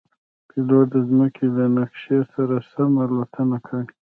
پیلوټ د مځکې له نقشې سره سم الوتنه کوي.